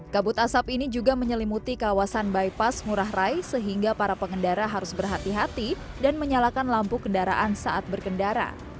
kabut asap ini juga menyelimuti kawasan bypass ngurah rai sehingga para pengendara harus berhati hati dan menyalakan lampu kendaraan saat berkendara